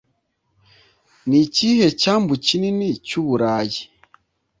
Ni ikihe cyambu kinini cy'Uburayi?